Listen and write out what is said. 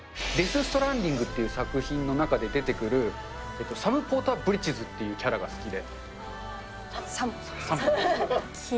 デスストランディングという作品の中で出てくる、サム・ポーター・ブリッジズというキャラクターが好きで。